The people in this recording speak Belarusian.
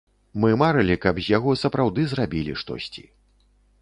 Мы марылі, каб з яго сапраўды зрабілі штосьці.